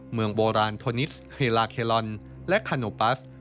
เมืองโบราณโทนิสเฮลาเคลอนและคาโนปัส